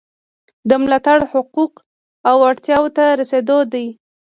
دا ملاتړ حقوقو او اړتیاوو ته د رسیدو دی.